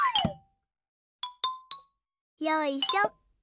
よいしょ。